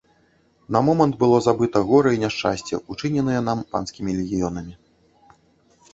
На момант было забыта гора і няшчасце, учыненыя нам панскімі легіёнамі.